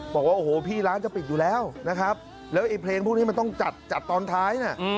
บอกว่าโอ้โหพี่ร้านจะปิดอยู่แล้วนะครับแล้วไอ้เพลงพวกนี้มันต้องจัดจัดตอนท้ายนะ